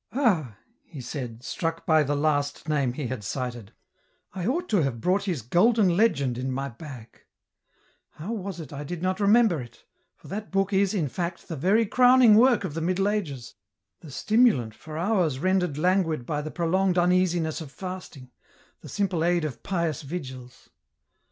..." Ah !" he said, struck by the last name he had cited, " I ought to have brought his Golden Legend in my bag ; how was it I did not remember it, for that book is, in fact, the very crowning work of the Middle Ages, the stimulant for hours rendered languid by the prolonged uneasiness of fasting, the simple aid of pious vigils